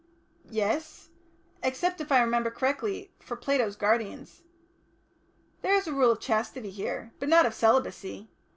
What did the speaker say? "Yes except, if I remember rightly, for Plato's Guardians." "There is a Rule of Chastity here but not of Celibacy.